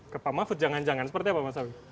ke pak mafud jangan jangan seperti apa masawi